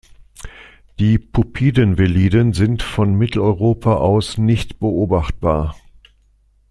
Die Puppiden-Veliden sind von Mitteleuropa aus nicht beobachtbar.